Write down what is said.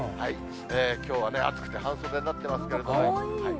きょうは暑くて半袖になっていますけれども。